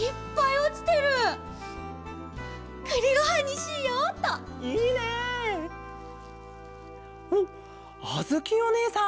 おっあづきおねえさん！